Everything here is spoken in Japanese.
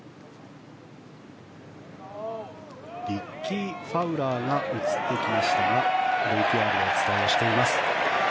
リッキー・ファウラーが映ってきましたがＶＴＲでお伝えしています。